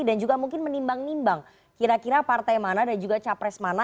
dan juga mungkin menimbang nimbang kira kira partai mana dan juga capres mana